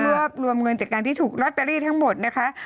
รวมเงินจากการที่ถูกลอตเตอรี่ทั้งหมดนะคะ